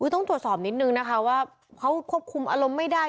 ต้องตรวจสอบนิดนึงนะคะว่าเขาควบคุมอารมณ์ไม่ได้